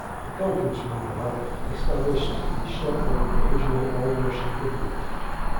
The conference, meanwhile, established the short-lived Provisional All-Russian Government.